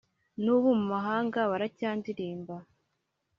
n'ubu mu mahanga baracyandilimba,